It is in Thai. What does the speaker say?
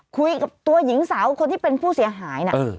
คุยกับตัวหญิงสาวคนที่เป็นผู้เสียหายนะ